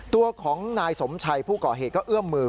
ตัวของนายสมชัยผู้ก่อเหตุก็เอื้อมมือ